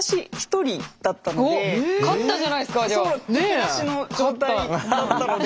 敵なしの状態だったので。